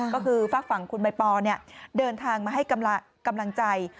ก็คือฝากฝั่งคุณใบปอเดินทางมาให้กำลังใจ